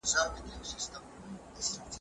سره بېل سوي دي.